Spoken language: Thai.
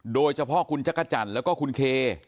โดยเฉพาะคุณจักรจันทร์แล้วก็คุณเค